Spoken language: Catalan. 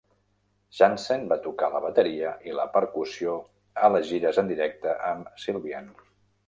Jansen va tocar la bateria i la percussió a les gires en directe amb Sylvian.